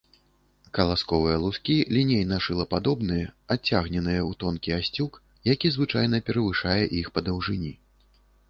Каласковыя лускі лінейна-шылападобныя, адцягненыя ў тонкі асцюк, які звычайна перавышае іх па даўжыні.